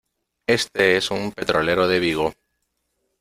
este es un petrolero de Vigo.